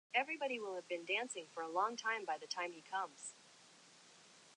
Everybody will have been dancing for a long time by the time he comes.